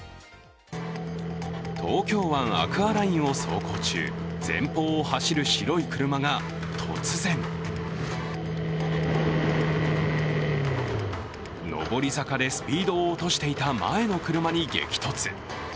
東京湾アクアラインを走行中、前方を走る白い車が突然上り坂でスピードを落としていた前の車に激突。